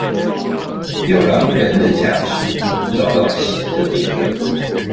又讓人的價值找到新的定位